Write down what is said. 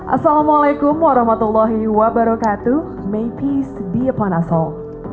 assalamualaikum warahmatullahi wabarakatuh may peace be upon us all